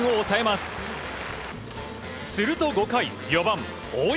すると５回、４番、大山。